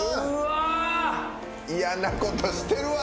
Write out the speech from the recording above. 嫌なことしてるわ。